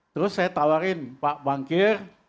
terus saya tawarin pak bangkir